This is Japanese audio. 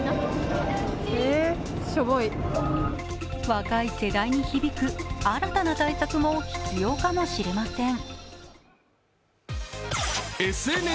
若い世代に響く新たな対策も必要かもしれません。